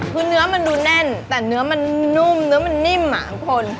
คือเนื้อมันดูแน่นแต่เนื้อมันนุ่มเนื้อมันนิ่มอ่ะทุกคน